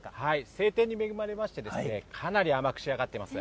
晴天に恵まれまして、かなり甘く仕上がっています。